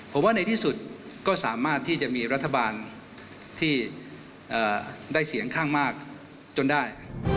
ผมว่าในที่สุดก็สามารถที่จะมีรัฐบาลที่ได้เสียงข้างมากจนได้